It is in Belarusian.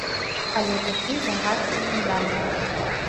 Але такі загад каменданта.